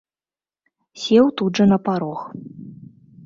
Сеў тут жа на парог.